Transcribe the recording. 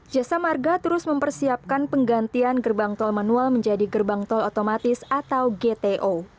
jasa marga terus mempersiapkan penggantian gerbang tol manual menjadi gerbang tol otomatis atau gto